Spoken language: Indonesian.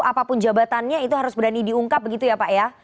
apapun jabatannya itu harus berani diungkap begitu ya pak ya